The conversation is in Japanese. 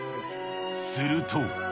すると。